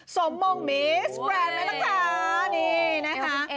สม่มองมิสแล่งแบบไหนละค่ะ